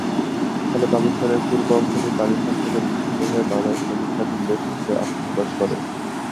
ফলে পাকিস্তানের পূর্ব অংশটি পাকিস্তান থেকে বিচ্ছিন্ন হয়ে বাংলাদেশ নামক স্বাধীন দেশ হিসেবে আত্মপ্রকাশ করে।